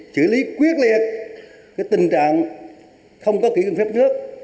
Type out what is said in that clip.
chữa lý quyết liệt cái tình trạng không có kỹ cương phép nước